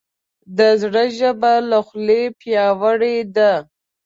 د زړه ژبه له خولې پیاوړې ده.